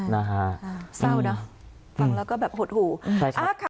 ได้ซ่าวนะฟังแล้วก็แบบหดหู่อ่ะค่ะ